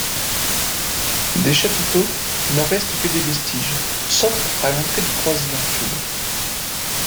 Des chapiteaux ne restent que des vestiges, sauf à l'entrée du croisillon sud.